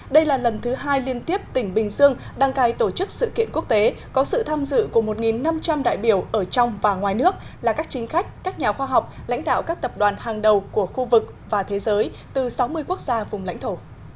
đây là lần thứ hai liên tiếp tỉnh bình dương đăng cài tổ chức sự kiện quốc tế có sự tham dự của một năm trăm linh đại biểu ở trong và ngoài nước là các chính khách các nhà khoa học lãnh đạo các tập đoàn hàng đầu của khu vực và thế giới từ sáu mươi quốc gia vùng lãnh thổ